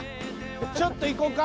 ちょっと行こうか。